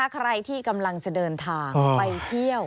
ใครที่กำลังจะเดินทางไปเที่ยว